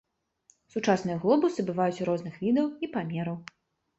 Сучасныя глобусы бываюць розных відаў і памераў.